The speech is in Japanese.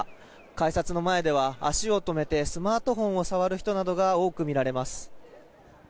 改札の前では足を止めてスマートフォンを触る人などが多く見られます。